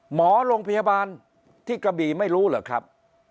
หมอโรงพยาบาลที่กระบี่ไม่รู้เหรอครับ